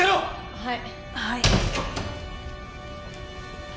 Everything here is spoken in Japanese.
はい。